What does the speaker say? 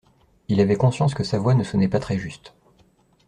Il avait conscience que sa voix ne sonnait pas très juste.